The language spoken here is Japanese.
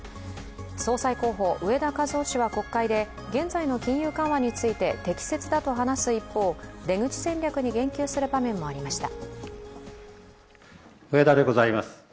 総裁候補・植田和男氏は国会で、現在の金融緩和について適切だと話す一方、出口戦略に言及する場面もありました。